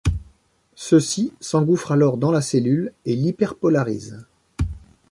Ceux-ci s'engouffrent alors dans la cellule et l'hyperpolarisent.